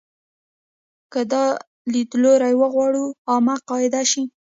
که دا لیدلوری وغواړي عامه قاعده شي.